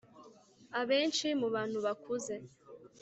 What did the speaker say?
Abenshi mu bantu bakuze